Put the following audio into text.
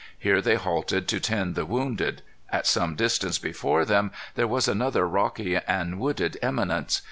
Here they halted to tend the wounded. At some distance before them there was another rocky and wooded eminence.